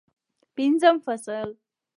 پنځم فصل